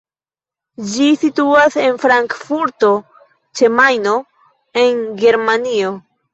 Ĝi situas en Frankfurto ĉe Majno, en Germanio.